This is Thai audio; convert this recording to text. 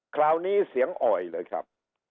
คราวนี้เสียงอ่อยเลยครับ